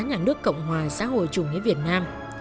nhà nước cộng hòa xã hội chủ nghĩa việt nam